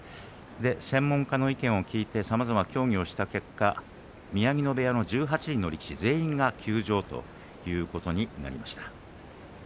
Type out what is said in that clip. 専門家の意見を聞いてさまざま協議をした結果宮城野部屋の１８人の力士全員が休場ということになりました。